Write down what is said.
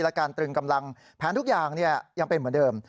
และการตรึงกำลังแผนทุกอย่างยังเป็นเหมือนเดิม